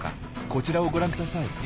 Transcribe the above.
こちらをご覧ください。